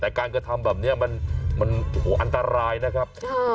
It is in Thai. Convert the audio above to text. แต่การทำแบบนี้มันอันตรายนะครับ